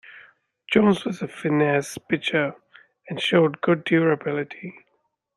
Jones was a finesse pitcher and showed good durability.